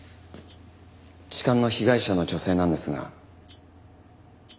痴漢の被害者の女性なんですが。